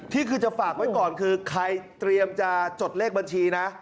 ที่คือจะฝากไว้ก่อนคือใครเตรียมจะจดเลขบัญชีนะ